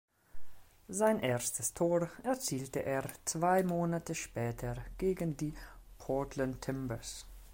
Sein erstes Tor erzielte er zwei Monate später gegen die Portland Timbers.